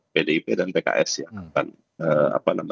pdip dan pks yang akan